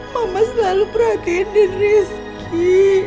mama selalu perhatiin den rizky